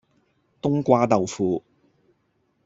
冬瓜豆腐